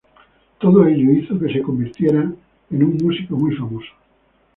Todo ello hizo que se convirtiera en un músico famoso.